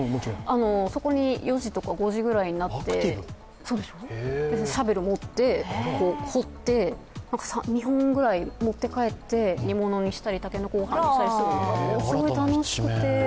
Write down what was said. そこに４時とか５時くらいになって、シャベル持って掘って、２本ぐらい持って帰って煮物にしたり煮物にしたり、竹の子ご飯にしたりするのがすごく楽しくて。